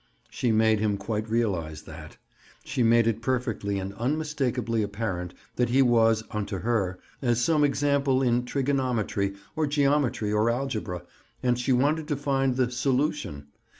She made him quite realize that. She made it perfectly and unmistakably apparent that he was, unto her, as some example in trigonometry, or geometry, or algebra, and she wanted to find the "solution."